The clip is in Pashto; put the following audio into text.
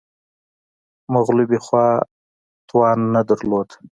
مغلوبې خوا توان نه درلود